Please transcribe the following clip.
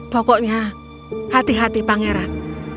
pokoknya hati hati pangeran